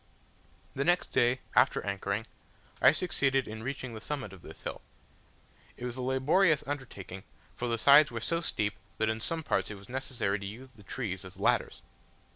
The next day, after anchoring, I succeeded in reaching the summit of this hill. It was a laborious undertaking, for the sides were so steep that in some parts it was necessary to use the trees as ladders.